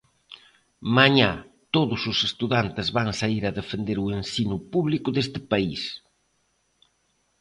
Mañá todos os estudantes van saír a defender o ensino público deste país.